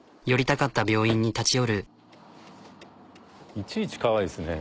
いちいちかわいいですね。